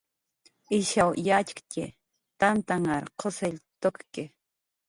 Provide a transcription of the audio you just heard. Ishaw yatxktxi, Tantanhr qusill tukki